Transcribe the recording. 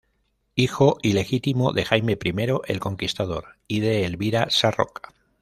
Hijo ilegítimo de Jaime I el Conquistador y de Elvira Sarroca.